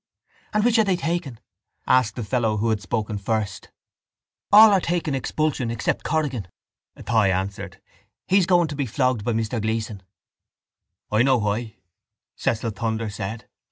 —And which are they taking? asked the fellow who had spoken first. —All are taking expulsion except Corrigan, Athy answered. He's going to be flogged by Mr Gleeson. —I know why, Cecil Thunder said.